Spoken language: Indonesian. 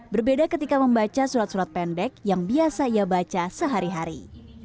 berbeda ketika membaca surat surat pendek yang biasa ia baca sehari hari